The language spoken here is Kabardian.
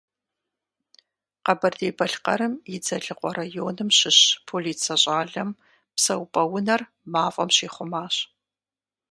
Къэбэрдей-Балъкъэрым и Дзэлыкъуэ районым щыщ полицэ щӏалэм псэупӀэ унэр мафӀэм щихъумащ.